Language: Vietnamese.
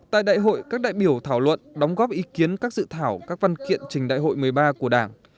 tại đại hội các đại biểu thảo luận đóng góp ý kiến các dự thảo các văn kiện trình đại hội một mươi ba của đảng